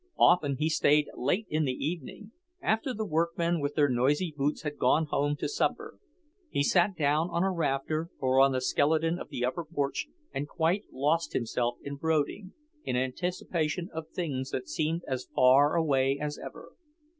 Often he stayed late in the evening, after the workmen with their noisy boots had gone home to supper. He sat down on a rafter or on the skeleton of the upper porch and quite lost himself in brooding, in anticipation of things that seemed as far away as ever.